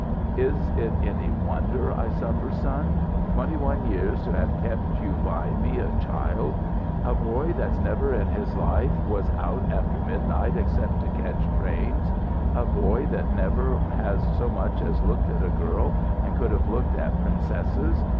"Is it any wonder I suffer, son? Twenty one years to have kept you by me a child. A boy that's never in his life was out after midnight except to catch trains. A boy that never has so much as looked at a girl and could have looked at princesses.